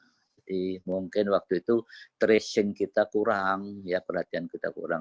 jadi mungkin waktu itu tracing kita kurang perhatian kita kurang